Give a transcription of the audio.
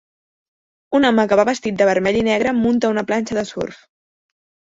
Un home que va vestit de vermell i negre munta una planxa de surf.